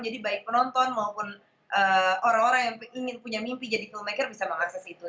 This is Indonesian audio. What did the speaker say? jadi baik penonton maupun orang orang yang ingin punya mimpi jadi filmmaker bisa mengakses itu